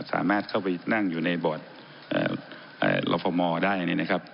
สามารถเข้าไปนั่งอยู่ในบอร์ดเอ่อเอ่อลฟมอล์ได้นี่นะครับ